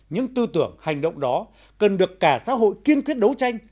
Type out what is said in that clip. những tư tưởng hành động đó cần được cả xã hội kiên quyết đấu tranh